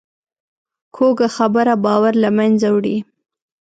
کوږه خبره باور له منځه وړي